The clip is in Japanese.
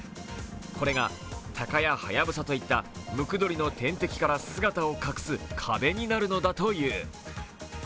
これがタカやハヤブサといったムクドリの天敵から姿を隠す壁になるのだという。